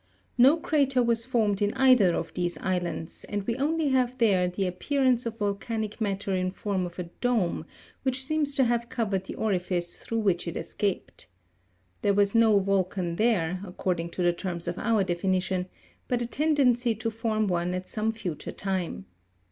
No crater was formed in either of these islands, and we only have there the appearance of volcanic matter in form of a dome, which seems to have covered the orifice through which it escaped. There was no volcan there, according to the terms of our definition, but a tendency to form one at some future time.